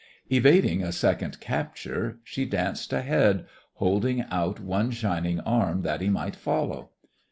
Evading a second capture, she danced ahead, holding out one shining arm that he might follow.